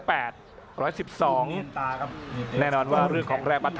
อัศวินาศาสตร์